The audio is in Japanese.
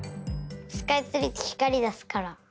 スカイツリーってひかりだすから。